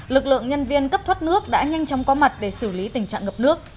lực lượng nhân viên cấp thoát nước đã nhanh chóng có mặt để xử lý tình trạng ngập nước